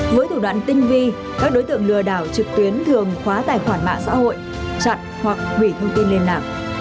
với thủ đoạn tinh vi các đối tượng lừa đảo trực tuyến thường khóa tài khoản mạng xã hội chặn hoặc hủy thông tin lên mạng